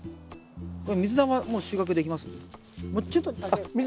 これミズナはもう収穫できます？